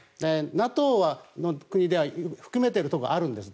ＮＡＴＯの国では含まれているところがあるんです。